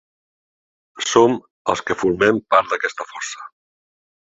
Som els que formem part d’aquesta força.